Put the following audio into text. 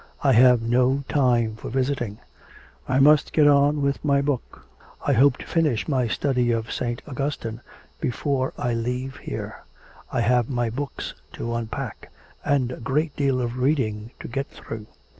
I have no time for visiting; I must get on with my book. I hope to finish my study of St. Augustine before I leave here. I have my books to unpack, and a great deal of reading to get through.